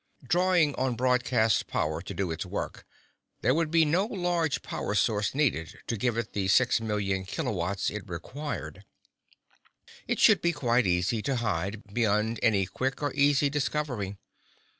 Drawing on broadcast power to do its work, there would be no large power source needed to give it the six million kilowatts it required. It should be quite easy to hide beyond any quick or easy discovery.